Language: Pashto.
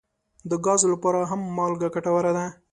د ګازو لپاره هم مالګه ګټوره ده.